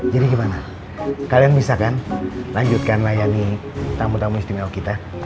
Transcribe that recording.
jadi gimana kalian bisa kan lanjutkan layani tamu tamu istimewa kita